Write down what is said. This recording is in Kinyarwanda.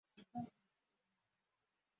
Umukecuru umwenyura mubuhinde atwikiriwe na safron